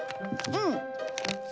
うん。